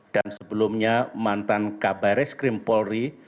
dan sebelumnya mantan kabaris krimpolri